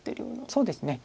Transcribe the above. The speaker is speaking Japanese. そうですね。